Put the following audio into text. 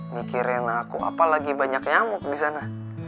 mikirin aku apa lagi banyak nyamuk di sana